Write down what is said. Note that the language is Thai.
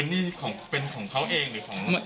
มันเป็นของเขาเองเจอไง